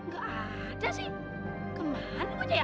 gak ada sih kemana gua jaya